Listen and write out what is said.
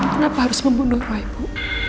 kenapa harus membunuh roy bu